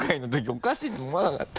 おかしいと思わなかった？